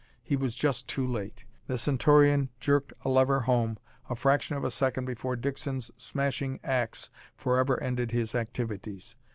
He was just too late. The Centaurian jerked a lever home a fraction of a second before Dixon's smashing ax forever ended his activities.